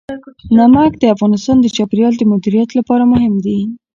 نمک د افغانستان د چاپیریال د مدیریت لپاره مهم دي.